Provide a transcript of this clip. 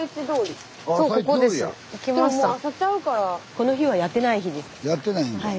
この日はやってない日です。